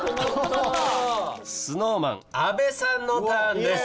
ＳｎｏｗＭａｎ阿部さんのターンです。